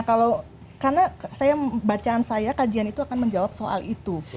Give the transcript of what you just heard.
kalau karena saya bacaan saya kajian itu akan menjawab soal itu